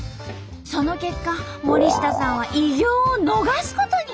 その結果森下さんは偉業を逃すことに。